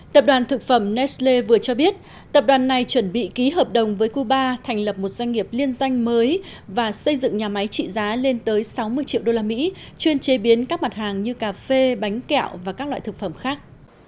tập đoàn thực phẩm nesle vừa cho biết tập đoàn này chuẩn bị ký hợp đồng với cuba thành lập một doanh nghiệp liên doanh mới và xây dựng nhà máy trị giá lên tới sáu mươi triệu đô la mỹ chuyên chế biến các mặt hàng như cà phê bánh kẹo và các loại thực phẩm khác